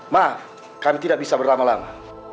maaf kami tidak bisa berlama lama